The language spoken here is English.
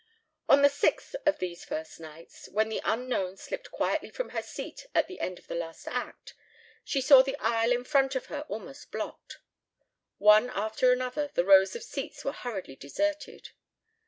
On the sixth of these first nights, when the unknown slipped quietly from her seat at the end of the last act, she saw the aisle in front of her almost blocked. One after another the rows of seats were hurriedly deserted.